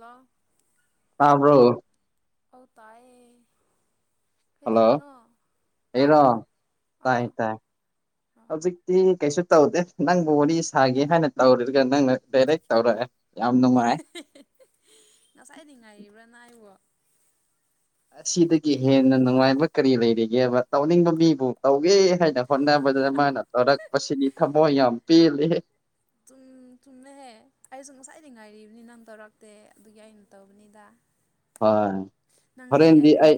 ꯂꯣ ꯇꯥꯕ꯭ꯔꯣ ꯍꯧ ꯇꯥꯌꯦ ꯍꯜꯂꯣ ꯀꯩꯗꯣꯏꯅꯣ ꯑꯩꯔꯣ ꯇꯥꯗ꯭ꯔꯥ ꯑꯥ ꯑꯥ ꯏ ꯀꯩꯁꯨ ꯇꯧꯗꯦ ꯅꯪꯕꯨ ꯋꯥꯔꯤ ꯁꯥꯒꯦ ꯍꯥꯏꯅ ꯇꯧꯔꯒ ꯅꯪꯅ ꯗꯥꯏꯔꯦꯛ ꯇꯧꯔꯛꯑꯦ ꯌꯥꯝꯅꯨꯡꯉꯥꯏ ꯉꯁꯥꯏꯗꯤ ꯉꯥꯏꯔꯤꯕ꯭ꯔꯅ ꯍꯥꯏꯏꯕꯣ ꯑꯁꯤꯗꯒꯤ ꯍꯦꯟꯅ ꯅꯨꯡꯉꯥꯏꯕ ꯀꯔꯤ ꯂꯩꯔꯤꯒꯦꯕ ꯇꯧꯅꯤꯡꯕ ꯃꯤꯕꯨ ꯇꯧꯒꯦ ꯍꯥꯏꯅ ꯍꯣꯠꯅꯕꯗ ꯃꯥꯅ ꯑꯔꯛꯄꯁꯤꯅꯤ ꯊꯃꯣꯏ ꯌꯥꯝ ꯄꯦꯜꯜꯂꯤꯦꯍꯦ ꯆꯨꯝ ꯆꯨꯝꯃꯦꯍꯦ ꯑꯩꯁꯨ ꯉꯁꯥꯏꯗꯤ ꯉꯥꯏꯔꯤꯕꯅꯤ ꯅꯪ ꯇꯧꯔꯛꯇꯦ ꯑꯗꯨꯒꯤ ꯑꯩꯅ ꯇꯧꯕꯅꯤꯗ ꯍꯣꯏ ꯅꯪꯗꯤ ꯍꯣꯔꯦꯟꯗꯤ ꯑꯩꯕꯨ ꯑꯩ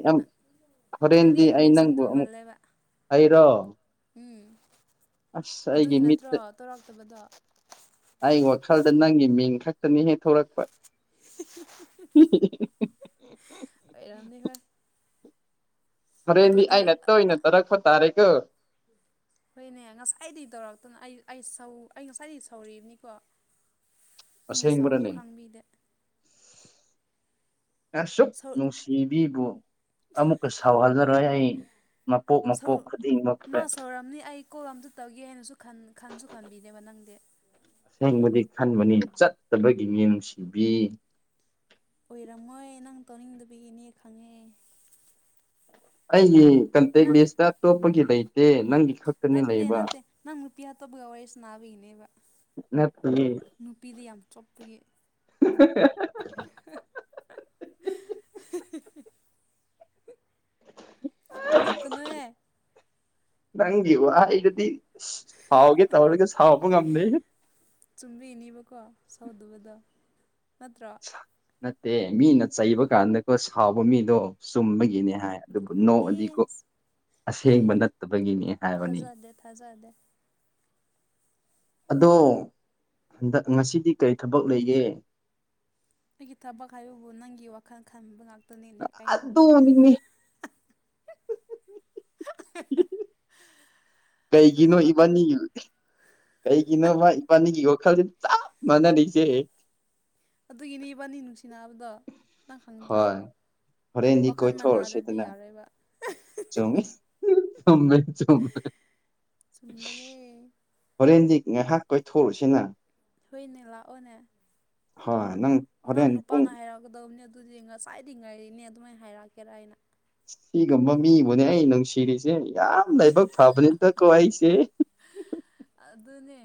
ꯅꯪꯗꯤ ꯍꯣꯔꯦꯟꯗꯤ ꯑꯩꯕꯨ ꯑꯩ ꯅꯪꯕꯨ ꯅꯤꯡꯁꯤꯡꯗꯨ ꯑꯃꯨꯛ ꯃꯥꯜꯂꯦꯕ ꯑꯩꯔꯣ ꯎꯝ ꯑꯁ ꯑꯩꯒꯤ ꯑꯗꯨꯒꯤ ꯅꯠꯇ꯭ꯔꯣ ꯇꯧꯔꯥꯛꯇꯕꯗꯣ ꯑꯩ ꯋꯥꯈꯜꯗ ꯅꯪꯒꯤ ꯃꯤꯡ ꯈꯛꯇꯅꯤ ꯍꯦꯛꯊꯣꯔꯛꯄ ꯑꯥꯔꯝꯅꯤ ꯍꯥ ꯍꯣꯔꯦꯟꯗꯤ ꯑꯩꯅ ꯇꯣꯏꯅ ꯇꯥꯔꯛꯄ ꯇꯥꯔꯦꯀꯣ ꯍꯣꯏꯅꯦ ꯉꯁꯥꯏꯗꯒꯤ ꯇꯧꯔꯛꯇꯅ ꯑꯩ ꯁꯧ ꯑꯩ ꯉꯁꯥꯏꯗꯒꯤ ꯁꯧꯔꯤꯕꯅꯤꯀꯣ ꯃꯤꯅꯠꯁꯥꯎꯕꯁꯨ ꯑꯁꯦꯡꯕꯔꯅꯦ ꯈꯥꯡꯕꯤꯗꯦ ꯑꯁꯨꯛ ꯁꯧ ꯅꯨꯡꯁꯤꯕꯤꯕꯨ ꯑꯃꯨꯛꯀ ꯁꯥꯎꯍꯜꯂꯔꯣꯏ ꯑꯩ ꯃꯄꯣꯛ ꯃꯄꯣꯛ ꯈꯨꯗꯤꯡꯃꯛ ꯔꯝꯅꯤ ꯑꯩ ꯁ꯭ꯀꯣꯜ ꯑꯝꯇ ꯇꯧꯒꯦ ꯍꯥꯏꯅꯁꯨ ꯈꯟꯁꯨ ꯈꯟꯕꯤꯅꯦꯦꯕ ꯅꯪꯗꯤ ꯑꯁꯦꯡꯕꯗꯤ ꯈꯟꯕꯅꯤ ꯆꯠꯇꯕꯒꯤ ꯃꯤꯡꯅꯨꯡꯁꯤꯕꯤ ꯑꯣꯏꯔꯝꯃꯣꯏ ꯅꯪ ꯇꯧꯅꯤꯡꯗꯕꯤꯒꯤꯅꯦ ꯈꯪꯉꯦ ꯑꯩꯒꯤ ꯀꯟꯇꯦꯛ ꯅꯪ ꯂꯤꯁꯇ ꯑꯇꯣꯞꯄꯒꯤ ꯂꯩꯇꯦ ꯅꯪꯒꯤ ꯈꯛꯇꯅꯤ ꯅꯠꯇꯦ ꯂꯩꯕ ꯅꯠꯇꯦ ꯅꯪ ꯔꯨꯄꯤꯤ ꯍꯥ ꯇꯣꯕꯒ ꯑꯣꯏꯣꯏꯁꯅꯥꯕ ꯏꯅꯦꯕ ꯅꯠꯇꯤꯌꯦ ꯆꯣꯞꯄꯒꯤ [unintelligible] ꯅꯣꯀꯅꯍꯦ ꯅꯪꯒꯤ ꯋꯥꯍꯩꯗꯨꯗꯤ ꯁꯥꯎꯒꯦ ꯇꯧꯔꯒ ꯁꯥꯎꯕ ꯉꯝꯗꯦꯍꯦ ꯇꯨꯝꯕꯤꯅꯤꯕꯀꯣ ꯁꯥꯎꯗꯨꯕꯗ ꯅꯠꯇ꯭ꯔ ꯅꯠꯇꯦ ꯃꯤꯅ ꯆꯩꯕ ꯀꯥꯟꯗꯀꯣ ꯁꯥꯎꯕ ꯃꯤꯗꯣ ꯆꯨꯝꯕꯒꯤꯅꯦ ꯍꯥꯏ ꯑꯗꯨꯕꯨ ꯅꯣꯡꯑꯗꯤ ꯄ꯭ꯂꯤꯁ ꯑꯁꯦꯡꯕ ꯅꯠꯇꯕꯒꯤꯅꯤ ꯍꯥꯏꯕꯅꯤ ꯗꯦ ꯊꯖꯗꯦ ꯑꯗꯣ ꯍꯟꯗꯛ ꯉꯁꯤꯗꯤ ꯀꯔꯤ ꯊꯕꯛ ꯂꯩꯒꯦ ꯑꯩꯒꯤ ꯊꯕꯛ ꯍꯥꯏꯕꯕꯨ ꯅꯪꯒꯤ ꯋꯥꯈꯜ ꯈꯟꯕ ꯉꯥꯛꯇꯅꯤꯅꯦ ꯀꯩꯅꯣ ꯅꯦ ꯀꯩꯒꯤꯅꯣ ꯊꯕꯛ ꯏꯕꯅꯤ ꯑꯇꯧꯕꯕꯨ ꯀꯩꯒꯤꯅꯣ ꯃꯥ ꯏꯄꯥꯅꯤꯒꯤꯒ ꯋꯥꯈꯜꯁꯦ ꯆꯞ ꯃꯥꯟꯅꯔꯤꯁꯦ ꯑꯗꯨꯒꯤꯅꯦ ꯏꯕꯥꯅꯤ ꯅꯨꯡꯁꯤꯅꯕꯗꯣ ꯅꯪ ꯈꯪꯗ꯭ꯔꯣ ꯍꯣꯏ ꯍꯣꯔꯦꯟꯗꯤ ꯋꯥꯈꯜ ꯃꯅꯥꯗꯗꯤ ꯌꯥꯔꯣꯏꯕ ꯆꯨꯝꯅꯤ ꯆꯨꯝꯃꯦ ꯆꯨꯝꯃꯦ ꯆꯨꯝꯕꯅꯦ ꯍꯣꯔꯦꯟꯗꯤ ꯉꯥꯏꯍꯥꯛ ꯀꯣꯏꯊꯣꯛꯎꯨꯁꯤꯅ ꯍꯨꯏꯅꯦ ꯂꯥꯛꯑꯣꯅꯦ ꯍꯣꯏ ꯅꯪ ꯅꯪ ꯍꯣꯔꯦꯟ ꯄꯨꯡ ꯅꯨꯄꯥꯅ ꯍꯥꯏꯔꯛꯀꯗꯕꯅꯦ ꯑꯗꯨꯗꯤ ꯉꯁꯥꯏꯗꯤ ꯉꯥꯏꯔꯤꯅꯦ ꯑꯗꯨꯃꯥꯏꯅ ꯍꯥꯏꯔꯛꯀꯦꯔꯥ ꯑꯩꯅ ꯁꯤꯒꯨꯝꯕ ꯃꯤꯕꯨꯅꯦ ꯑꯩ ꯅꯨꯡꯁꯤꯔꯤꯁꯦ ꯌꯥꯝ ꯂꯥꯏꯕꯛ ꯐꯕꯅꯤꯅꯀꯣ ꯑꯩꯁꯦ ꯑꯗꯨꯅꯦ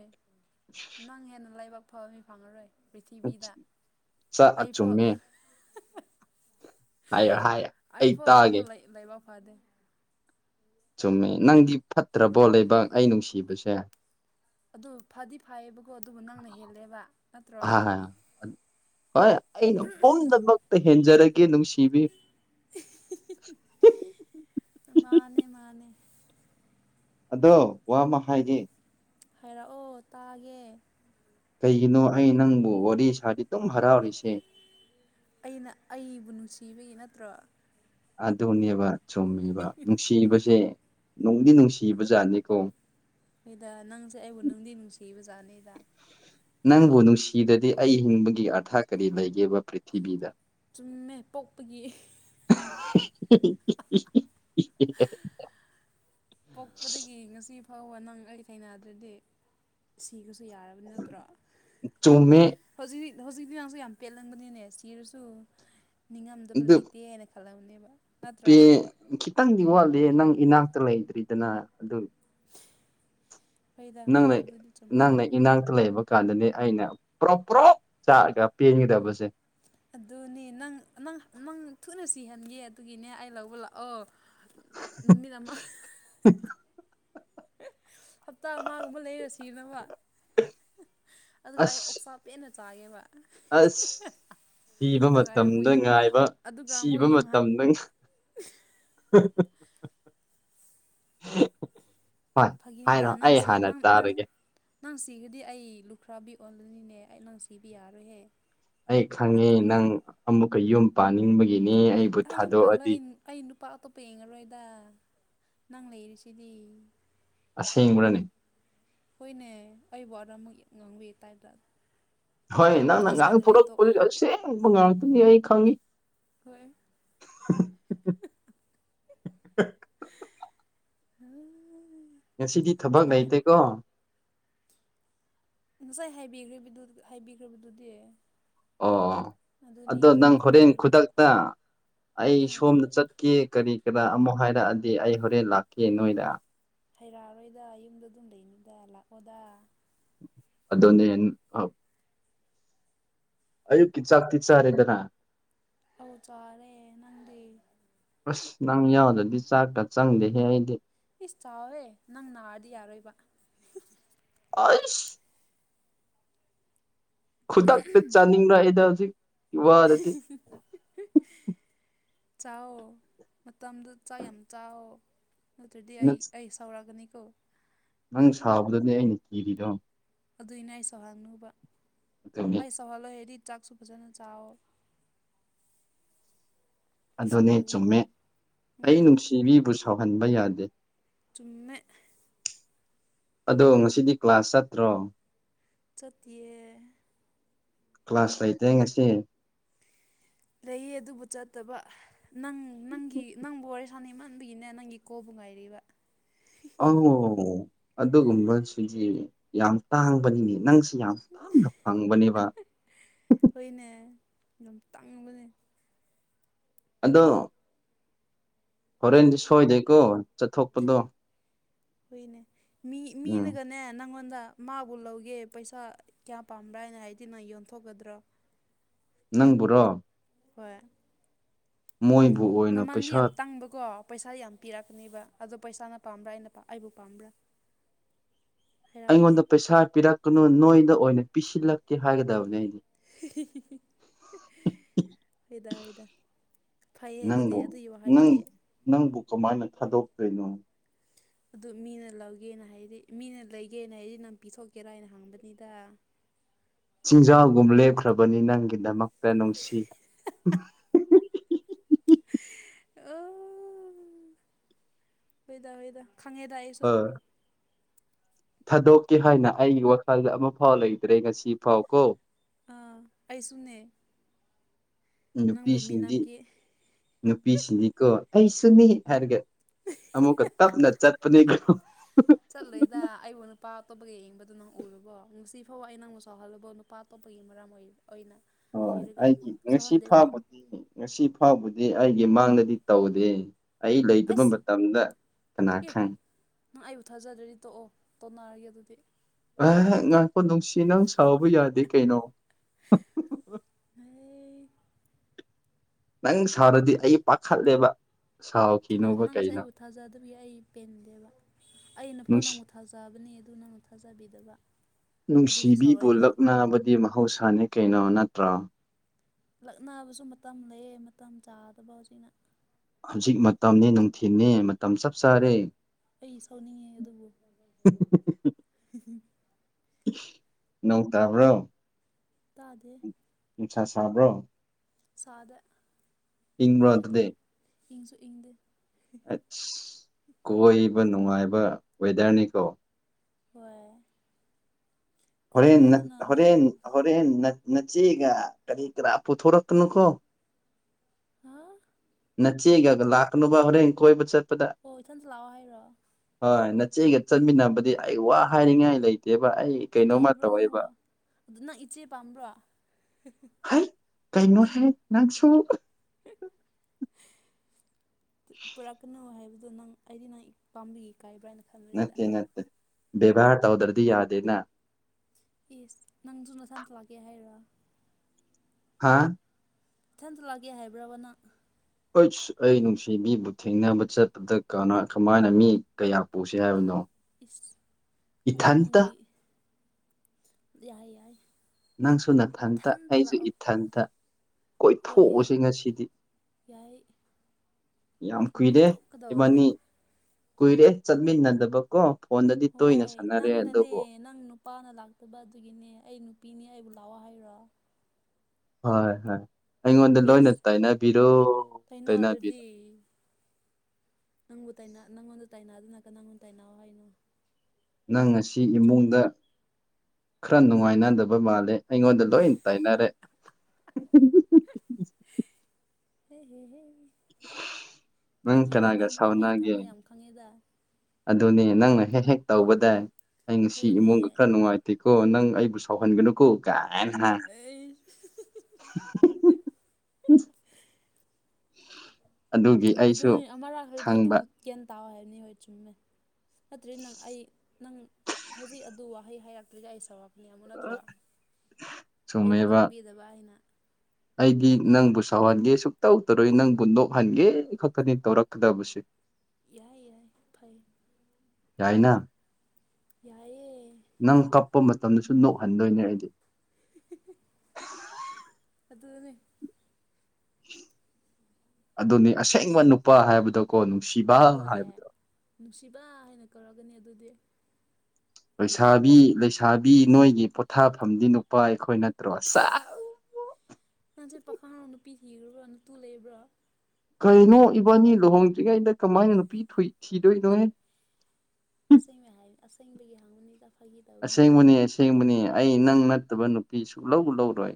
ꯅꯪ ꯍꯦꯟꯅ ꯂꯥꯏꯕꯛ ꯐꯕ ꯃꯤ ꯐꯪꯉꯔꯣꯏ ꯄ꯭ꯔꯤꯊꯤꯕꯤꯗ ꯆꯥꯛ ꯑꯩꯕꯣ ꯆꯨꯝꯃꯦ ꯍꯥꯏꯌ ꯍꯥꯏ ꯑꯩ ꯇꯥꯛꯑꯒꯦ ꯂꯥꯏꯕꯛ ꯐꯥꯗꯦ ꯆꯨꯝꯃꯦ ꯅꯪꯗꯤ ꯐꯠꯇ꯭ꯔꯕꯣ ꯂꯩꯕꯥꯛ ꯑꯩ ꯅꯨꯡꯁꯤꯕꯁꯦ ꯑꯗꯨ ꯐꯗꯤ ꯐꯩꯌꯦꯕꯀꯣ ꯑꯗꯨꯕꯨ ꯅꯪꯅ ꯍꯦꯜꯂꯦꯕ ꯅꯠꯇ꯭ꯔꯣ ꯑꯥ ꯍꯣꯏ ꯑꯩꯅ ꯄꯨꯝꯗꯃꯛꯇ ꯍꯦꯟꯖꯔꯒꯦ ꯅꯨꯡꯁꯤꯕꯤ [unintelligible] ꯃꯥꯅꯦ ꯃꯥꯅꯦ ꯑꯗꯣ ꯋꯥ ꯑꯃ ꯍꯥꯏꯒꯦ ꯍꯥꯏꯔꯛꯑꯣ ꯇꯥꯒꯦ ꯀꯩꯒꯤꯅꯣ ꯑꯩ ꯅꯪꯕꯨ ꯋꯥꯔꯤ ꯁꯥꯗꯤ ꯑꯗꯨꯝ ꯍꯔꯥꯎꯔꯤꯁꯦ ꯑꯩꯅ ꯑꯩꯕꯨ ꯅꯨꯡꯁꯤꯕꯒꯤ ꯅꯠꯇ꯭ꯔꯣ ꯑꯗꯨꯅꯦꯕ ꯆꯨꯝꯃꯦꯕ ꯅꯨꯡꯁꯤꯕꯁꯦ ꯅꯨꯡꯗꯤ ꯅꯨꯡꯁꯤꯕ ꯖꯥꯠꯅꯤꯀꯣ ꯑꯩꯣꯏꯗ ꯅꯪꯁꯦ ꯑꯩꯕꯨ ꯅꯨꯡꯗꯤ ꯅꯨꯡꯁꯤꯕꯖꯥꯠꯅꯤꯗ ꯅꯪꯕꯨ ꯅꯨꯡꯁꯤꯗꯗꯤ ꯑꯩ ꯍꯤꯡꯕꯒꯤ ꯑꯥꯔꯊ ꯀꯔꯤ ꯂꯩꯒꯦꯕ ꯄ꯭ꯔꯤꯊꯤꯕꯤꯗ ꯆꯨꯝꯃꯦ ꯄꯣꯛꯄꯒꯤ [unintelligible] ꯄꯣꯛꯄꯗꯒꯤ ꯉꯁꯤ ꯐꯥꯎꯕ ꯅꯪ ꯑꯩ ꯊꯦꯡꯅꯗ꯭ꯔꯗꯤ ꯁꯤꯒꯔ꯭ ꯁꯨ ꯌꯥꯔꯕ ꯅꯠꯇ꯭ꯔꯣ ꯆꯨꯝꯃꯦ ꯍꯧꯖꯤꯛ ꯍꯧꯖꯤꯛꯇꯤ ꯂꯥꯡꯁꯨ ꯌꯥꯝ ꯄꯦꯜꯂꯝꯕꯅꯤꯅꯦ ꯁꯤꯔꯁꯨ ꯅꯤꯡꯉꯝꯗꯕ ꯂꯩꯇꯦ ꯍꯥꯏꯅ ꯈꯜꯂꯝꯅꯤꯕ ꯎ ꯄꯦ ꯈꯤꯇꯪꯗꯤ ꯋꯥꯠꯂꯤꯦ ꯅꯪ ꯏꯅꯥꯛꯇ ꯂꯩꯇ꯭ꯔꯤꯗꯅ ꯑꯗꯨ ꯍꯣꯏꯗ ꯅꯪ ꯍꯣꯏꯗ ꯂꯩ ꯑꯗꯨꯗꯤ ꯆꯨꯝꯃꯦ ꯅꯪ ꯂꯩ ꯏꯅꯥꯛꯇ ꯂꯩꯕ ꯀꯥꯟꯗꯅꯦ ꯑꯩꯅ ꯄꯨꯔꯣ ꯄꯨ꯭ꯔꯣꯞ ꯆꯥꯛꯑꯒ ꯄꯦꯟꯒꯗꯕꯁꯦ ꯑꯗꯨꯅꯦ ꯅꯪ ꯅꯪ ꯅꯪ ꯊꯨꯅ ꯁꯤꯍꯟꯒꯦ ꯑꯗꯨꯒꯤꯅꯦ ꯑꯩ ꯂꯧꯕ ꯂꯥꯛꯑꯣ ꯅꯨꯃꯤꯠ ꯑꯃꯥ ꯍꯞꯇꯥ ꯑꯃꯒꯨꯝꯕ ꯂꯩꯔꯁꯤꯅꯕ ꯑꯗꯨꯒ ꯑꯩ ꯑꯁ ꯑꯣꯛꯁꯥ ꯄꯦꯟꯅ ꯆꯥꯒꯦꯕ ꯑꯁ ꯁꯤꯕ ꯑꯗꯨꯒ ꯑꯩ ꯑꯃꯨꯛ ꯃꯇꯝꯗ ꯌꯨꯝ ꯉꯥꯏꯕ ꯑꯗꯨꯒ ꯑꯃꯨꯛ ꯁꯤꯕ ꯌꯨꯝ ꯃꯇꯝꯗ [unintelligible] ꯐꯥꯒꯤꯅꯤꯗ ꯍꯥꯏꯔꯣ ꯑꯩ ꯅꯪꯁꯤ ꯍꯥꯟꯅ ꯅꯪ ꯅꯪ ꯇꯥꯔꯒꯦ ꯅꯪ ꯁꯤꯈ꯭ꯔꯗꯤ ꯑꯩ ꯂꯨꯈ꯭ꯔꯥꯕꯤ ꯑꯣꯜꯂꯅꯤꯅꯦ ꯑꯩ ꯅꯪ ꯁꯤꯕ ꯌꯥꯔꯣꯏꯍꯦ ꯑꯩ ꯈꯪꯉꯦ ꯅꯠꯇ꯭ꯔꯣ ꯅꯪ ꯑꯃꯨꯛꯀ ꯌꯨꯝ ꯄꯥꯅꯤꯡꯕꯒꯤꯅꯤ ꯑꯩꯕꯨ ꯑꯩ ꯌꯨꯝ ꯄꯥꯜꯂꯣꯏ ꯊꯥꯗꯣꯛꯑꯗꯤ ꯑꯩ ꯑꯩ ꯅꯨꯄꯥ ꯑꯇꯣꯞꯄ ꯌꯦꯡꯉꯔꯣꯏꯗ ꯅꯪ ꯂꯩꯔꯤꯁꯤꯗꯤ ꯑꯁꯦꯡꯕꯔꯅꯦ ꯍꯣꯏꯅꯦ ꯑꯩꯕꯨ ꯑꯗꯔ ꯑꯃꯨꯛ ꯉꯥꯡꯕꯤ ꯇꯥꯏꯄꯇꯥ ꯍꯣꯏ ꯅꯪꯅ ꯉꯥꯡ ꯊꯣꯔꯛꯄꯗꯨ ꯇꯣꯛꯑꯣ ꯑꯁꯦꯡꯕ ꯉꯥꯛꯇꯅꯤ ꯑꯩ ꯈꯪꯉꯤ ꯍꯣꯏ [unintelligible] [unintelligible] ꯉꯁꯤꯗꯤ ꯊꯕꯛ ꯆꯨꯝꯃꯦ ꯂꯩꯇꯦꯀꯣ ꯉꯁꯥꯏ ꯍꯥꯏꯕꯤꯈ꯭ꯔꯕꯗꯨꯗꯤ ꯑꯣ ꯑꯗꯨꯅꯦ ꯑꯗꯣ ꯅꯪ ꯊꯕꯛꯇꯤ ꯍꯣꯔꯦꯟ ꯈꯨꯗꯛꯇ ꯑꯩ ꯎꯝ ꯁꯣꯝꯗ ꯆꯠꯀꯦ ꯀꯔꯤ ꯀꯔꯥ ꯑꯃꯨꯛ ꯍꯥꯏꯔꯛꯑꯗꯤ ꯑꯩ ꯍꯣꯔꯦꯟ ꯂꯥꯛꯀꯦ ꯅꯣꯏꯗ ꯍꯩꯔꯛꯑꯔꯣꯏꯗ ꯌꯨꯝꯗ ꯑꯗꯨꯝ ꯂꯩꯅꯤꯗ ꯂꯥꯛꯑꯣꯗ ꯑꯗꯣꯅꯦ ꯑꯌꯨꯛꯀꯤ ꯆꯥꯛꯇꯤ ꯆꯥꯔꯦꯗꯅ ꯑꯧ ꯆꯔꯦ ꯅꯪꯗꯤ ꯑꯁ ꯅꯪ ꯌꯥꯎꯗꯗꯤ ꯆꯥꯛꯀ ꯆꯪꯗꯦꯍꯦ ꯑꯩꯗꯤ ꯏꯁ ꯆꯥꯎꯋꯦ ꯅꯪ ꯅꯥꯔꯗꯤ ꯌꯥꯔꯣꯏꯕ ꯑ ꯈꯨꯗꯛꯇ ꯆꯥꯅꯤꯡꯔꯛ ꯑꯦꯗ ꯍꯧꯖꯤꯛ ꯋꯥꯗꯗꯤ [unintelligible] ꯆꯥꯎ ꯃꯇꯝꯗꯨ ꯆꯥꯛ ꯌꯥꯝ ꯆꯥꯎ ꯅꯠꯇ꯭ꯔꯗꯤ ꯑꯩ ꯑꯩ ꯁꯥꯎꯔꯛꯒꯅꯤꯀꯣ ꯅꯪ ꯁꯥꯕꯗꯅꯦ ꯑꯩꯅ ꯀꯤꯔꯤꯗꯣ ꯑꯗꯨꯏꯅꯦ ꯑꯩꯁꯨ ꯍꯪꯅꯨꯕ ꯑꯗꯨꯅꯤ ꯑꯩ ꯁꯧꯍꯜꯂꯣꯏ ꯍꯥꯏꯔꯗꯤ ꯆꯥꯛꯁꯨ ꯐꯖꯅ ꯆꯥꯎꯋꯣ ꯑꯗꯨꯅꯦ ꯆꯨꯝꯃꯦ ꯑꯩ ꯎꯝ ꯅꯨꯡꯁꯤꯕꯤꯕꯨ ꯁꯥꯎꯍꯟꯕ ꯌꯥꯗꯦ ꯆꯨꯝꯃ‌ꯦ ꯑꯗꯣ ꯉꯁꯤꯗꯤ ꯀ꯭ꯂꯥꯁ ꯆꯠꯇ꯭ꯔꯣ ꯆꯠꯇꯤꯌꯦ ꯀ꯭ꯂꯥꯁ ꯂꯩꯇꯦ ꯉꯁꯤ ꯂꯩꯌꯦ ꯑꯗꯨꯕꯨ ꯆꯠꯇꯕ ꯅꯪ ꯅꯪꯒꯤ ꯅꯪꯕꯨ ꯋꯥꯔꯤ ꯁꯥꯅꯤꯡꯃꯟꯕꯒꯤꯅꯦ ꯅꯪꯒꯤ ꯀꯣꯜꯕꯨ ꯉꯥꯏꯔꯤꯕ ꯑ‌ꯣ ꯑꯗꯨꯒꯨꯝꯕꯁꯨꯗꯤ ꯌꯥꯝ ꯇꯥꯡꯕꯅꯤꯅꯦ ꯅꯪꯁ‌ꯦ ꯌꯥꯝ ꯌꯥꯝꯅ ꯐꯪꯕꯅꯦꯕ ꯍꯣꯏꯅꯦ ꯌꯥꯝ ꯇꯥꯡꯕꯅꯦ ꯑꯗꯣ ꯍꯣꯔꯦꯟꯗꯤ ꯁꯣꯏꯗꯦꯀꯣ ꯆꯠꯊꯣꯛꯄꯗꯣ ꯍꯨꯏꯅꯦ ꯃꯤ ꯎꯝ ꯃꯤꯅꯒꯅꯦ ꯅꯪꯉꯣꯟꯗ ꯃꯥꯕꯨ ꯂꯧꯒꯦ ꯄꯩꯁꯥ ꯀꯌꯥ ꯄꯥꯝꯕ꯭ꯔꯥ ꯍꯥꯏꯅ ꯍꯥꯏꯔꯗꯤ‌ ꯅꯪ ꯌꯣꯟꯊꯣꯛꯀꯗ꯭ꯔꯣ ꯅꯪꯕꯨꯔꯣ ꯍꯣꯏ ꯃꯣꯏꯕꯨ ꯑꯣꯏꯅ ꯃꯃꯟꯗꯤ ꯄꯩꯁꯥ ꯌꯥꯝ ꯇꯥꯡꯕꯀꯣ ꯄꯩꯁꯥ ꯌꯥꯝ ꯄꯤꯔꯛꯀꯅꯦꯕ ꯑꯗꯣ ꯄꯩꯁꯥꯅ ꯄꯥꯝꯕ꯭ꯔ ꯑꯩꯅ ꯑꯩꯕꯨ ꯄꯥꯝꯕ꯭ꯔ ꯑꯩꯉꯣꯟꯗ ꯄꯩꯁꯥ ꯄꯤꯔꯛꯀꯅꯨ ꯅꯣꯏꯗ ꯑꯣꯏꯅ ꯄꯤꯁꯤꯜꯂꯛꯀꯦ ꯍꯥꯏꯒꯗꯕꯅꯦ ꯑꯩꯅ ꯍꯣꯏꯗ ꯍꯣꯏꯗ ꯐꯩꯌꯦ ꯑꯗꯨꯗꯤ ꯅꯪꯕꯨ ꯑꯗꯨꯒꯤ ꯅꯪ ꯋꯥꯍꯩꯁꯤꯗꯤ ꯅꯪꯕꯨ ꯀꯃꯥꯏꯅ ꯊꯥꯗꯣꯛꯇꯣꯏꯅꯣ [inaudible] ꯑꯗꯨ ꯃꯤꯅ ꯂꯧꯒꯦꯅ ꯍꯥꯏꯗꯤ ꯃꯤꯅ ꯂꯩꯒꯦꯅ ꯍꯥꯏꯗꯤ ꯅꯪ ꯄꯤꯊꯣꯛꯀꯦꯔ ꯍꯥꯏꯅ ꯍꯪꯕꯅꯤꯗ ꯆꯤꯟꯖꯥꯎꯒꯨꯝ ꯂꯦꯞꯈ꯭ꯔꯕꯅꯤ ꯅꯪꯒꯤꯗꯃꯛꯇ ꯅꯨꯡꯁꯤ ꯑ‌ꯣ ꯍꯣꯏꯗ ꯍꯣꯏꯗ ꯈꯪꯉꯦꯗ ꯑꯩꯁꯨ ꯑ ꯊꯥꯗꯣꯛꯀꯦ ꯍꯥꯏꯅ ꯑꯩꯒꯤ ꯋꯥꯈꯜꯗ ꯑꯃꯐꯥꯎ ꯂꯩꯇ꯭ꯔꯦ ꯉꯁꯤ ꯐꯥꯎ ꯀꯣ ꯑꯥ ꯑꯩꯁꯨꯅꯦ ꯅꯪꯕꯨ ꯃꯤꯅꯝꯒ‌ꯦ ꯅꯨꯄꯤꯁꯤꯅꯤꯀꯣ ꯑꯩꯁꯨꯅꯤ ꯍꯥꯏꯔꯒ ꯑꯃꯨꯛꯀ ꯇꯞꯅ ꯆꯠꯄꯅꯦꯀꯣ ꯆꯠꯂ‌ꯣꯏꯗ ꯑꯩꯕꯨ ꯅꯨꯄꯥ ꯑꯇꯣꯞꯄꯒ ꯌꯦꯡꯕꯗꯨ ꯅꯪ ꯎꯔꯕꯣ ꯉꯁꯤꯐꯥꯎ ꯑꯩ ꯅꯪꯕꯨ ꯁꯥꯎꯍꯜ ꯅꯨꯄꯥ ꯑꯇꯣꯞꯄꯒꯤ ꯃꯔꯝ ꯑꯣꯏ ꯑꯣꯏꯅ ꯍꯣꯏ ꯑꯣꯏꯔꯒ ꯑꯩꯒꯤ ꯉꯁꯤ ꯁꯥꯎꯍꯟꯗꯦꯀꯣ ꯐꯥꯎꯕꯗꯤ ꯉꯁꯤ ꯐꯥꯎꯕꯗꯤ ꯑꯩꯒꯤ ꯃꯥꯡꯗꯗꯤ ꯇꯧꯗꯦ ꯑꯩ ꯂꯩꯇꯕ ꯑꯁ ꯃꯇꯝꯗ ꯀꯅꯥ ꯑꯦ ꯈꯪ ꯅꯪ ꯑꯩꯕꯨ ꯊꯥꯖꯗ꯭ꯔꯗꯤ ꯇꯣꯛꯑꯣ ꯇꯣꯛꯅꯔꯒꯦ ꯑꯗꯨꯗꯤ ꯑ ꯉꯥꯏꯈꯣ ꯅꯨꯡꯁꯤ ꯅꯪ ꯁꯥꯎꯕ ꯌꯥꯗꯦ ꯀꯩꯅꯣ ꯐꯩ ꯅꯪ ꯁꯥꯎꯔꯗꯤ ꯑꯩ ꯄꯥꯈꯠꯂꯦꯕ ꯑꯗꯨ ꯅꯪ ꯁꯥꯎꯈꯤꯅꯣꯕ ꯅꯪꯅꯁꯨ ꯀꯩꯅꯣ ꯑꯩꯕꯨ ꯊꯥꯖꯗꯔꯗꯤ ꯑꯩ ꯄꯦꯟꯗꯦꯕ ꯑꯩꯅ ꯐꯥꯎ ꯅꯨꯡꯁꯤ ꯅꯪ ꯊꯥꯖꯕꯅꯦ ꯑꯗꯨ ꯅꯪꯅ ꯊꯥꯖꯕꯤꯗꯕ ꯑꯗꯨꯗꯤ ꯅꯨꯡꯁꯤꯕꯤꯕꯨ ꯁꯥꯎꯔꯣꯏꯗ꯭ꯔꯣ ꯂꯛꯅꯕꯗꯤ ꯃꯍꯧꯁꯥꯅꯤ ꯀꯩꯅꯣ ꯅꯠꯇ꯭ꯔꯣ ꯂꯛꯅꯕꯁꯨ ꯃꯇꯝ ꯂꯩꯌꯦ ꯃꯇꯝ ꯆꯥꯗꯕ ꯍꯧꯖꯤꯛꯅ ꯍꯧꯖꯤꯛ ꯃꯇꯝꯅꯦ ꯅꯨꯡꯊꯤꯜꯅꯦ ꯃꯇꯝ ꯆꯞ ꯆꯥꯔꯦ ꯑꯩ ꯁꯥꯎꯅꯤꯡꯉꯦ ꯑꯗꯨꯕꯨ ꯅꯣꯡ ꯇꯥꯕ꯭ꯔꯣ ꯇꯥꯗꯦ ꯅꯨꯡꯁꯥ ꯁꯥꯕ꯭ꯔꯣ ꯁꯥꯗꯦ ꯏꯪꯕ꯭ꯔꯣ ꯌꯥꯏꯌꯦ ꯑꯗꯨꯗꯤ ꯑꯗꯨꯝ ꯏꯪꯁꯨ ꯏꯪꯗꯦ ꯑꯁ ꯀꯣꯏꯕ ꯅꯨꯡꯉꯥꯏꯕ ꯋꯦꯗꯔꯅꯤꯀꯣ ꯍꯣꯏ ꯍꯣꯔꯦꯟ ꯀꯣꯏꯔꯣꯗꯅ ꯅꯪ ꯍꯣꯔꯦꯟ ꯍꯣꯔꯦꯟ ꯅ ꯅꯆꯦꯒ ꯀꯔꯤ ꯀꯔꯥ ꯄꯨꯊꯣꯔꯛꯀꯅꯨꯀ‌ꯣ ꯍꯥꯥ ꯅꯆꯦꯒꯒ ꯂꯥꯛꯀꯅꯨꯕ ꯍꯣꯔꯦꯟ ꯀꯣꯏꯕ ꯆꯠꯄꯗ ꯑꯣ ꯏꯊꯟꯇ ꯂꯥꯛꯑꯣ ꯍꯥꯏꯔꯣ ꯍꯣꯏ ꯅꯆꯦꯒ ꯆꯠꯃꯤꯟꯅꯕꯗꯤ ꯑꯩ ꯋꯥ ꯍꯥꯏꯅꯤꯡꯉꯥꯏ ꯂꯩꯇꯦꯕ ꯑꯩ ꯀꯩꯅꯣꯝꯃ ꯏꯀꯥꯏꯕ꯭ꯔꯣ ꯇꯧꯋꯦꯕ ꯅꯪꯕꯣ ꯑꯗꯨ ꯅꯪ ꯏꯆꯦ ꯄꯥꯝꯕ꯭ꯔꯣ ꯍ ꯍ ꯍꯥꯏ ꯀꯩꯅꯣ ꯍꯥꯏ ꯅꯪꯁꯨ ꯄꯨꯔꯛꯀꯅꯨ ꯍꯥꯏꯕꯗꯣ ꯅꯪ ꯑꯩꯗꯤ ꯏꯛ ꯅꯪ ꯄꯥꯝꯕꯤꯒꯤ ꯀꯥꯏꯕ꯭ꯔꯥ ꯍꯥꯏꯅ ꯈꯟꯕꯅꯤꯗ ꯅꯠꯇꯦ ꯅꯠꯇꯦ ꯕꯦꯕꯥꯔ ꯇꯧꯗ꯭ꯔꯗꯤ ꯌꯥꯗꯦꯅ ꯏꯁ ꯅꯪꯁꯨꯨ ꯅꯊꯟꯇ ꯂꯥꯛꯀꯦ ꯍꯥꯏꯔꯣ ꯍꯥꯥ ꯏꯊꯟꯇ ꯂꯥꯛꯀꯦ ꯍꯥꯏꯕ꯭ꯔꯥꯕ ꯅꯪ ꯑꯩꯁ ꯑꯩ ꯅꯨꯡꯁꯤꯕꯤꯕꯨ ꯊꯦꯡꯅꯕ ꯆꯠꯄꯗ ꯀꯅꯥ ꯀꯃꯥꯏꯅ ꯃꯤ ꯀꯌꯥ ꯄꯨꯁꯦ ꯍꯥꯏꯕꯅꯣ ꯏꯁ ꯑꯗꯨ ꯏꯊꯟꯇ ꯅꯪꯒꯤ ꯌꯥꯏ ꯌꯥꯏ ꯅꯪꯁꯨ ꯅꯊꯟꯇ ꯏꯊꯟꯇ ꯑꯩꯁꯨ ꯂꯥꯛꯑꯣ ꯏꯊꯟꯇ ꯍꯣꯏ ꯀꯣꯏꯊꯣꯛꯎꯁꯦ ꯉꯁꯤꯗꯤ ꯌꯥꯏ ꯌꯥꯝ ꯀꯨꯏꯔꯦ ꯀꯣꯏꯊꯣꯛꯀꯗꯧꯕꯅꯦ ꯏꯕꯥꯅꯤ ꯀꯨꯏꯔꯦ ꯆꯠꯃꯤꯟꯅꯗꯕ ꯀꯣ ꯍꯣꯏ ꯅꯪꯅꯅꯦ ꯅꯪ ꯅꯨꯞ ꯄꯥꯅ ꯂꯥꯛꯇꯕ ꯑꯗꯨꯒꯤꯅꯦ ꯑꯩ ꯅꯨꯄꯤꯅꯤ ꯑꯩꯕꯨ ꯂꯥꯛꯑꯣ ꯍꯥꯏꯔꯣ ꯍꯣꯏ ꯍꯣꯏ ꯑꯩꯉꯣꯟꯗ ꯂꯣꯏꯅ ꯏꯁ ꯇꯥꯏꯅꯕꯤꯔꯣ ꯇꯩꯅꯕꯤꯔꯣ ꯏ ꯅꯪꯕꯨ ꯇꯥꯏꯅ ꯅꯪꯉꯣꯟꯗ ꯇꯥꯏꯅꯗꯅ ꯀꯅꯪꯉꯣꯟ ꯇꯥꯏꯅꯧ ꯍꯥꯏꯅꯣ ꯅꯪ ꯉꯁꯤ ꯏꯃꯨꯡꯗ ꯈꯔ ꯅꯨꯡꯉꯥꯏꯅꯗꯕ ꯃꯥꯜꯂꯦ ꯑꯩꯉꯣꯟꯗ ꯂꯣꯏ ꯇꯥꯏꯅꯔꯦ ꯍꯦ ꯍꯦ ꯍꯦ ꯅꯪ ꯈꯪꯉꯦꯗ ꯀꯅꯥꯒ ꯅꯪꯁꯦ ꯑꯩꯒꯤ ꯁꯥꯎꯅꯒꯦ ꯊꯝꯃꯣꯏ ꯌꯥꯝ ꯈꯪꯉꯦꯗ ꯑꯗꯨꯅꯦ ꯅꯪꯅ ꯍꯦꯛ ꯍꯦꯛ ꯇꯧꯕꯗꯥꯏ ꯑꯩ ꯉꯁꯤ ꯍꯣꯏꯅꯦ ꯏꯃꯨꯡꯒ ꯈꯔ ꯅꯨꯡꯉꯥꯏ ꯇꯦꯀꯣ ꯅꯪ ꯑꯩꯕꯨ ꯁꯥꯎꯍꯟꯒꯅꯨꯀꯣ ꯀꯥꯏꯅ ꯍꯥ ꯏꯪ ꯍꯨꯡ ꯑꯩ ꯍꯨꯡ ꯑꯗꯨꯒꯤ ꯑꯗꯨ ꯑꯩꯁꯨ ꯑꯩ ꯑꯃꯔꯛ ꯍꯥꯏꯕꯗ ꯑꯗꯨꯝ ꯈꯪꯕ ꯒ꯭ꯌꯥꯟ ꯇꯥꯎ ꯍꯥꯏꯕꯅꯦ ꯍꯣꯏ ꯆꯨꯝꯃꯦ ꯅꯠꯇ꯭ꯔꯗꯤ ꯅꯪ ꯑꯩ ꯅꯪ ꯍꯧꯖꯤꯛ ꯑꯗꯨ ꯋꯥꯍꯩ ꯍꯥꯏꯔꯛꯇ꯭ꯔꯤꯗꯤ ꯑꯩ ꯁꯥꯎꯔꯛ ꯃꯤ ꯑꯃꯨ ꯅꯠꯇ꯭ꯔ ꯑꯩꯕꯨ ꯆꯨꯝꯃꯦꯕ ꯈꯪꯕꯤꯗꯕ ꯍꯥꯏꯅ ꯑꯩꯗꯤ ꯅꯪꯕꯨ ꯁꯥꯎꯍꯟꯒꯦ ꯁꯨꯛꯇꯧ ꯇꯧꯔꯣꯏ ꯅꯪꯕꯨ ꯅꯣꯛꯍꯟꯒꯦ ꯈꯛꯇꯅꯤ ꯇꯧꯔꯛꯀꯗꯕꯁꯦ ꯌꯥꯏ ꯌꯥꯏ ꯐꯩ ꯌꯥꯏꯅꯥ ꯌꯥꯏ ꯌꯦ ꯅꯪ ꯀꯞꯄ ꯃꯇꯝꯗꯁꯨ ꯅꯣꯛꯍꯟꯗꯣꯏꯅꯦ ꯑꯩꯗꯤ ꯏ ꯍꯤ ꯍꯤ ꯑꯗꯨꯅꯤ ꯑꯗꯨꯅꯤ ꯑꯁꯦꯡꯕ ꯅꯨꯄꯥ ꯍꯥꯏꯕꯗꯣꯀꯣ ꯅꯨꯡꯁꯤꯕ ꯍꯣꯏ ꯍꯥꯏꯕꯗꯣ ꯅꯨꯡꯁꯤꯕ ꯍꯥꯏꯅ ꯀꯧꯔꯒꯅꯤ ꯑꯗꯨꯗꯤ ꯂꯩꯁꯥꯕꯤ ꯂꯩꯁꯥꯕꯤ ꯅꯣꯏꯒꯤ ꯄꯣꯊꯥꯐꯝꯗꯤ ꯅꯨꯄꯥ ꯑꯩꯈꯣꯏ ꯅꯠꯇ꯭ꯔꯣ ꯁꯁ ꯅꯪꯁꯦ ꯄꯥꯈꯪꯔ ꯅꯨꯄꯤ ꯊꯤꯈ꯭ꯔꯕ꯭ꯔꯥ ꯅꯇꯨ ꯂꯩꯕ꯭ꯔꯥ ꯀꯩꯅꯣ ꯏꯕꯥꯅꯤ ꯂꯨꯍꯣꯡꯗ꯭ꯔꯤꯉꯩꯗ ꯀꯃꯥꯏꯅ ꯅꯨꯄꯤ ꯊꯨꯏ ꯊꯤꯗꯣꯏꯅꯣꯍꯦ ꯑꯁꯦꯡꯕ ꯍꯥꯏ ꯑꯁꯦꯡꯕꯒꯤ ꯍꯪꯕꯅꯤꯗ ꯐꯥꯒꯤ ꯇꯧꯕꯅꯤꯅ ꯑꯁꯦꯡꯕꯅꯤ ꯑꯁꯦꯡꯕꯅꯤ ꯑꯩ ꯅꯪ ꯅꯠꯇꯕ ꯅꯨꯄꯤ ꯁꯨꯛꯂꯧ ꯂꯧꯔꯣꯏ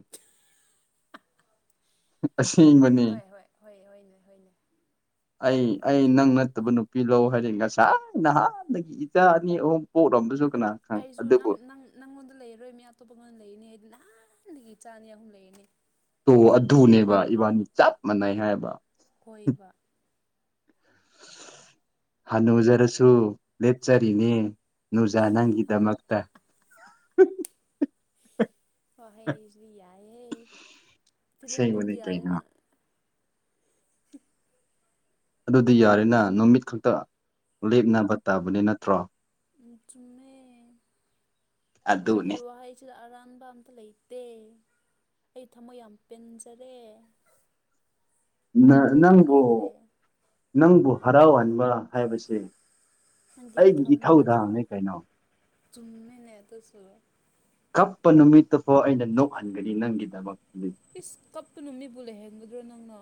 ꯑꯁꯦꯡꯕꯅꯦ ꯍꯣꯏ ꯍꯣꯏ ꯍꯣꯏ ꯍꯣꯏꯅꯦ [inaudible] ꯑꯩ ꯑꯩ ꯅꯪ ꯅꯠꯇꯕ ꯅꯨꯄꯤ ꯂꯧ ꯍꯥꯏꯔꯦ ꯉꯁꯥꯏ ꯅꯍꯥꯟꯗꯒꯤ ꯏꯆꯥ ꯑꯅꯤ ꯑꯍꯨꯝ ꯄꯣꯛꯔꯝꯕꯁꯨ ꯀꯅꯥ ꯈꯪ ꯑꯩꯁꯨ ꯑꯗꯨꯕꯨ ꯅꯪ ꯅꯪ ꯅꯪꯉꯣꯟꯗ ꯂꯩꯔꯔꯣꯏ ꯃꯤ ꯑꯇꯣꯞꯄꯉꯣꯟꯗ ꯂꯩꯔꯅꯤ ꯍꯥꯏꯗꯤ ꯅꯍꯥꯟꯗꯒꯤ ꯏꯆꯥ ꯑꯅꯤ ꯑꯍꯨꯝ ꯂꯩꯔꯅꯤ ꯇꯣ ꯑꯗꯨꯅꯦꯕ ꯏꯕꯥꯅꯤ ꯆꯞ ꯃꯥꯟꯅꯩ ꯍꯥꯏꯕ ꯍꯣꯏꯕ ꯍꯅꯨꯖꯔꯁꯨ ꯂꯦꯠꯆꯔꯤꯅꯦ ꯅꯨꯨꯖꯥ ꯅꯪꯒꯤꯗꯃꯛꯇ ꯐꯍꯩꯖꯨ ꯌꯥꯏꯍꯦ ꯑꯁꯦꯡꯕꯅꯤ ꯐꯤꯂꯝꯀꯨꯝꯕ ꯀꯩꯅꯣ ꯌꯥꯔꯦꯅ [unintelligible] ꯑꯗꯨꯗꯤ ꯌꯥꯔꯦꯅ ꯅꯨꯃꯤꯠ ꯈꯛꯇ ꯂꯦꯞꯅꯕ ꯇꯥꯕꯅꯤ ꯅꯠꯇ꯭ꯔꯣ ꯎꯝ ꯆꯨꯝꯃꯦ ꯅꯪꯒꯤ ꯑꯗꯨꯅꯤ ꯋꯥꯍꯩ ꯁꯤꯗ ꯑꯔꯥꯟꯕ ꯑꯝꯇ ꯂꯩꯇꯦ ꯑꯩ ꯊꯃꯣꯏ ꯌꯥꯝ ꯄꯦꯟꯖꯔꯦ ꯅ ꯍꯔꯥꯎꯕꯅ ꯅꯪꯕꯨ ꯂꯣꯏꯔꯦ ꯅꯪꯕꯨ ꯍꯔꯥꯎꯍꯟꯕ ꯍꯥꯏꯕꯁꯦ ꯅꯪꯒꯤ ꯑꯩꯒꯤ ꯏꯊꯧꯗꯥꯡꯅꯦ ꯀꯩꯅꯣ ꯆꯨꯝꯃꯦꯅꯦ ꯑꯗꯨꯁꯨ ꯀꯞꯄ ꯅꯨꯃꯤꯠꯇꯨꯐꯥꯎ ꯑꯩꯅ ꯅꯣꯛꯍꯟꯒꯅꯤ ꯅꯪꯒꯤꯗꯃꯛꯇꯗꯤ ꯏꯁ ꯀꯞꯄ ꯅꯨꯃꯤꯠꯄꯨ ꯂꯩꯍꯟꯒꯗ꯭ꯔꯣ ꯅꯪꯅꯣ